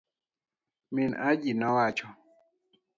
min hajinowacho